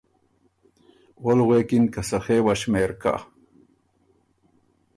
اول غوېکِن که ”سخے وه شمېر کَۀ